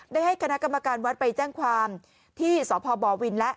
ได้ให้คณะกรรมการวัดไปแจ้งความที่สพบวินและ